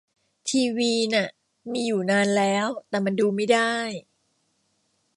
ทีวีน่ะมีอยู่นานแล้ว แต่มันดูไม่ได้